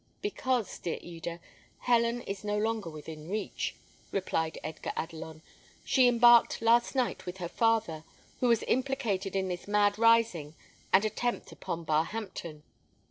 "Because, dear Eda, Helen is no longer within reach," replied Edgar Adelon; "she embarked last night with her father, who was implicated in this mad rising and attempt upon Barhampton."